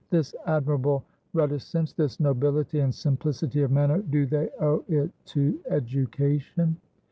This admirable reticence, this nobility and simplicity of manner, do they owe it to education?